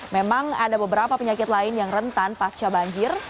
memang ada beberapa penyakit lain yang rentan pasca banjir